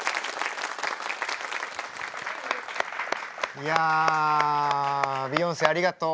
いやビヨンセありがとう。